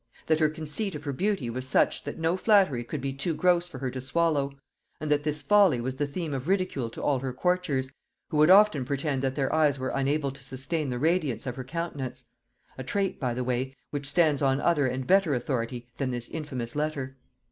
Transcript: That her conceit of her beauty was such, that no flattery could be too gross for her to swallow; and that this folly was the theme of ridicule to all her courtiers, who would often pretend that their eyes were unable to sustain the radiance of her countenance, a trait, by the way, which stands on other and better authority than this infamous letter.